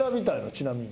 ちなみに。